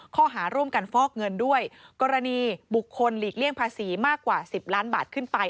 ข้อหาร่วมกันฟอกเงินด้วยกรณีบุคคลหลีกเลี่ยงภาษีมากกว่า๑๐ล้านบาทขึ้นไป